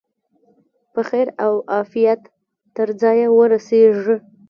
په خیر او عافیت تر ځایه ورسیږي.